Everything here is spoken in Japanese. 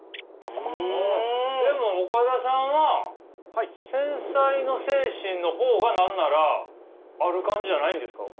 でも岡田さんは繊細の精神の方が何ならある感じじゃないんですか？